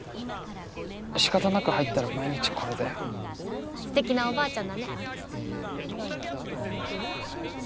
仕方なく入ったら毎日これだよ素敵なおばあちゃんだね